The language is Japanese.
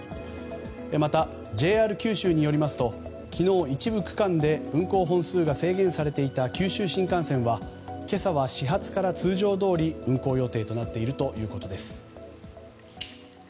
またＪＲ九州によりますと昨日一部区間で運行本数が制限されていた九州新幹線は今朝は始発から通常どおり運行予定となっているということです。